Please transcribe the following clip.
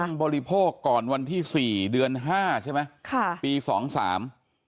บริโภคก่อนวันที่สี่เดือนห้าใช่ไหมค่ะปีสองสาม